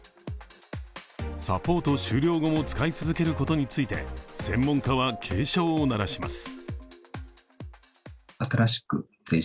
サポート終了後も使い続けることについて専門家は警鐘を鳴らします。